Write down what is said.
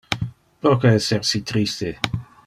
Proque esser si triste?